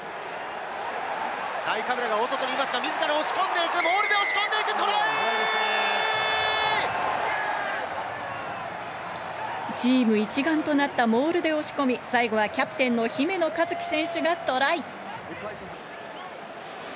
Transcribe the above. ナイカブラが外にいますが、みずから押し込んでいく、モールチーム一丸となったモールで押し込み、最後はキャプテンの姫野和樹選手がトライ。